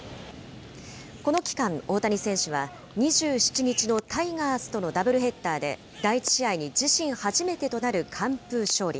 この期間、大谷選手は、２７日のタイガースとのダブルヘッダーで、第１試合に自身初めてとなる完封勝利。